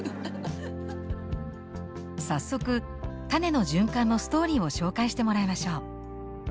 早速種の循環のストーリーを紹介してもらいましょう。